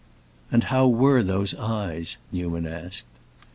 "And how were those eyes?" Newman asked.